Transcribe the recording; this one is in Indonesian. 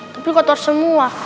tapi kotor semua